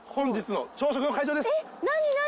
えっ何何？